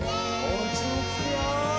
おうちにつくよ！